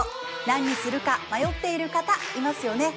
何にするか迷っている方いますよね